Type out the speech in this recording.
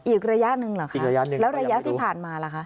อีกระยะหนึ่งเหรอคะระยะหนึ่งแล้วระยะที่ผ่านมาล่ะคะ